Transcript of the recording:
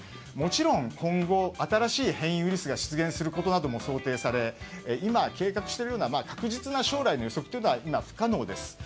もちろん、今後新しい変異ウイルスが出現することなども想定され、今計画しているような確実な将来の予測というのは不可能です。